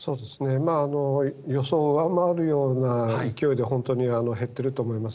予想を上回るような勢いで本当に減っていると思います。